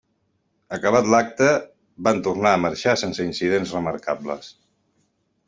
Acabat l'acte, van tornar a marxar sense incidents remarcables.